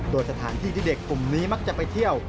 โดยสถานที่ที่เด็กกลุ่มนี้มักจะไปเที่ยว